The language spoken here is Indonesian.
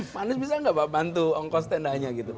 pak anies bisa gak pak bantu ongkos tendanya